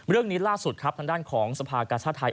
เรื่องนี้ล่าสุดครับทางด้านของสภากาชาติไทย